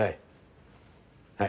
はい。